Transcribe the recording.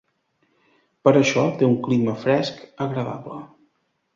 Per això, té un clima fresc agradable.